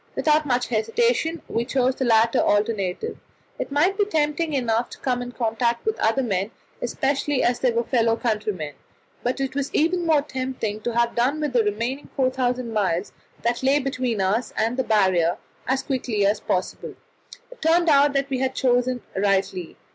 Without much hesitation we chose the latter alternative. It might be tempting enough to come in contact with other men, especially as they were fellow countrymen, but it was even more tempting to have done with the remaining 4,000 miles that lay between us and the Barrier as quickly as possible. It turned out that we had chosen rightly.